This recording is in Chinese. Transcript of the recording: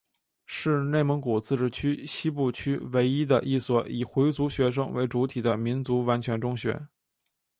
是内蒙古自治区西部区唯一的一所以回族学生为主体的民族完全中学。